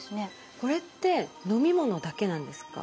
これって飲み物だけなんですか？